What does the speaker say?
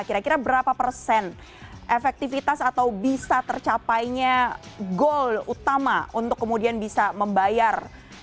kira kira berapa persen efektivitas atau bisa tercapainya goal utama untuk kemudian bisa membayar